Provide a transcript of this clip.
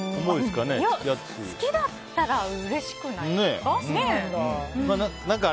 好きだったらうれしくないですか。